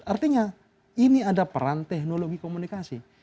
artinya ini ada peran teknologi komunikasi